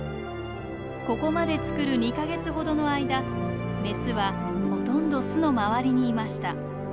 ここまで作る２か月ほどの間メスはほとんど巣の周りにいました。